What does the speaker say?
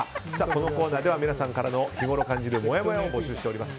このコーナーでは皆さんからの日ごろ感じるもやもやを募集しております。